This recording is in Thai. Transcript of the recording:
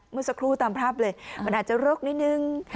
เมื่อสักครู่ตามภาพเลยมันอาจจะรกนิดนึง